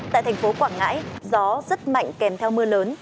tại thành phố quảng ngãi gió rất mạnh kèm theo mưa lớn